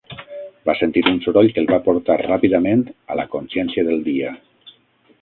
Va sentir un soroll que el va portar ràpidament a la consciència del dia.